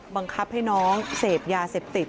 บังคับให้น้องเสพยาเสพติด